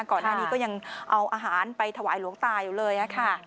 ก่อนหน้านี้ก็ยังเอาอาหารไปถวายหลวงตาอยู่เลยค่ะ